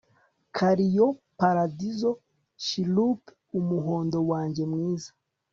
carrion, paradizo, chirrup umuhondo wanjye mwiza